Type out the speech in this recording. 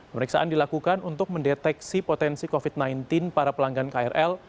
pemeriksaan dilakukan untuk mendeteksi potensi covid sembilan belas para pelanggan krl